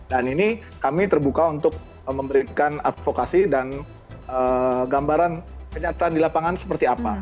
dan ini kami terbuka untuk memberikan advokasi dan gambaran kenyataan di lapangan seperti apa